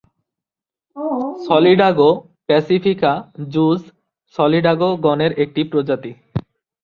Solidago প্যাসিফিকা জুজ Solidago গণের একটি প্রজাতি।